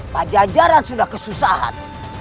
pajajaran sudah kesusahan